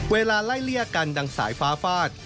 เวลาไล่เลี่ยกันดังสายฟ้าฟาด